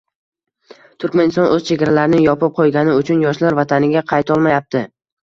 Turkmaniston o‘z chegaralarini yopib qo‘ygani uchun yoshlar vataniga qaytolmayapti